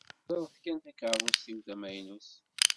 Ẓṛet kan takeṛṛust-iw tamaynut.